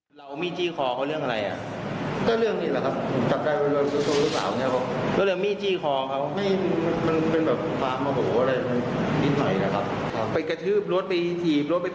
ผมจะไปคุยเรื่องรถมอเตอร์ไซค์ครับ